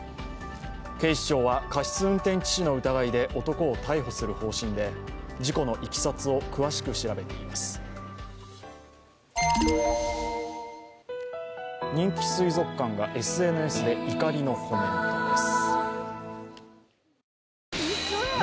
警視庁は過失運転致死の疑いで男を逮捕する方針で事故のいきさつを詳しく調べています。